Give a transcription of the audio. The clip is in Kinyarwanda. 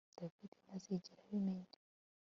David ntazigera abimenya